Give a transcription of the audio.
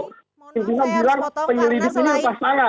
saya bilang penyelidik ini lepas tangan